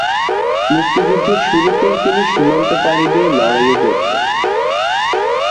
মুক্তিযুদ্ধের শুরুতেই তিনি সীমান্ত পাড়ি দিয়ে লড়াইয়ে যোগ দেন।